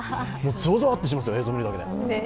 ゾワゾワとしますよ、映像見るだけで。